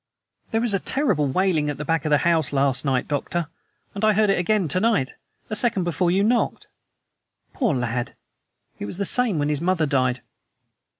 "There was a terrible wailing at the back of the house last night, Doctor, and I heard it again to night, a second before you knocked. Poor lad! It was the same when his mother died."